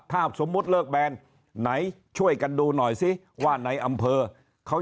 ถ้าสมมุติเลิกแบนไหนช่วยกันดูหน่อยซิว่าในอำเภอเขา